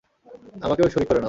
আমাকেও শরীক করে নাও।